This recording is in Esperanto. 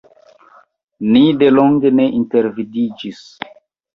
Ni delonge ne intervidiĝis.